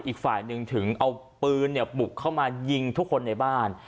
อีกฝ่ายหนึ่งถึงเอาปืนบุกเข้ามายิงทุกคนในบ้าน